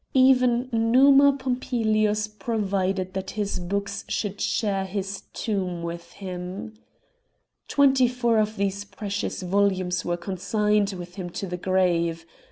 Even Numa Pompilius provided that his books should share his tomb with him. Twenty four of these precious volumes were consigned with him to the grave.